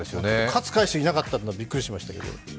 勝海舟がいなかったのはびっくりしましたけど。